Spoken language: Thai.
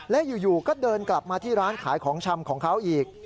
และอยู่ก็เดินกลับมาที่ร้านขายของชำของเขาอีก